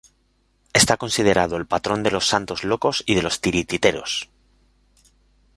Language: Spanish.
Está considerado el patrón de los "santos locos" y de los titiriteros.